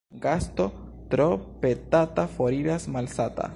Gasto tro petata foriras malsata.